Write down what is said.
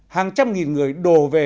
hàng trăm nghìn người đồ về